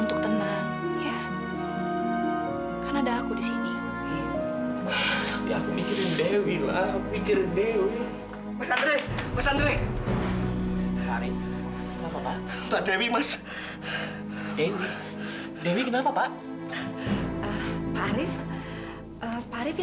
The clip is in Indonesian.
nggak ada dewi